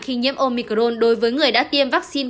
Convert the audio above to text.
khi nhiễm omicron đối với người đã tiêm vaccine